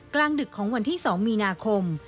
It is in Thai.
กลางดึกของวันที่๒มีนาคม